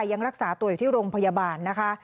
ยังรักษาตัวอยู่ที่โรงพยาบาลนะคะ